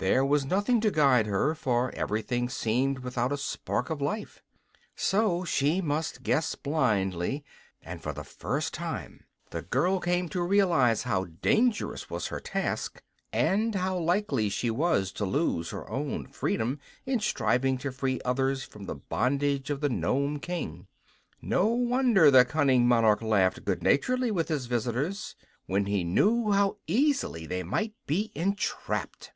There was nothing to guide her, for everything seemed without a spark of life. So she must guess blindly; and for the first time the girl came to realize how dangerous was her task, and how likely she was to lose her own freedom in striving to free others from the bondage of the Nome King. No wonder the cunning monarch laughed good naturedly with his visitors, when he knew how easily they might be entrapped.